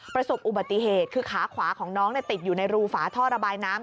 ประสบอุบัติเหตุคือขาขวาของน้องติดอยู่ในรูฝาท่อระบายน้ำ